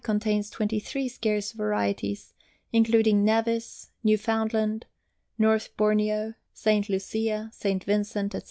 Contains 23 scarce varieties, including Nevis, Newfoundland, North Borneo, St. Lucia, St. Vincent, etc.